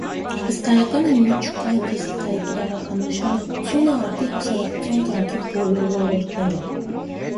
Հսկայական է միջուկայյին ֆիզիկայի կիրառական նշանակությունը արդի հասարակության կյանքի բոլոր ոլորտներում։